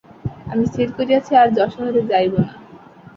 আমি স্থির করিয়াছি আর যশোহরে যাইব না।